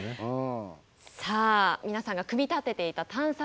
さあ皆さんが組み立てていた探査車ですね